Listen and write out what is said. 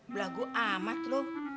belah gue amat lo